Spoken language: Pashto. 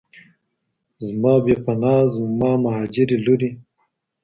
زما بې پناه زما مهاجري لوري!